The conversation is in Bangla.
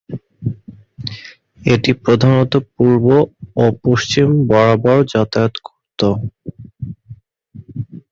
এটি প্রধানত পূর্ব ও পশ্চিম বরাবর যাতায়াত করত।